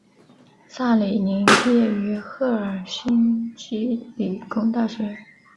萨里宁毕业于赫尔辛基理工大学。